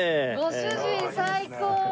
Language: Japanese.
ご主人最高！